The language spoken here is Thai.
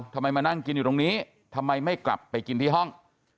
มานั่งกินอยู่ตรงนี้ทำไมไม่กลับไปกินที่ห้อง